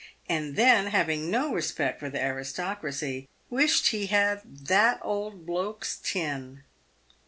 and then, having no respect for the aristocracy, wished he had " that old bloak's tin."